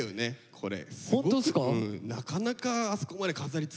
これ。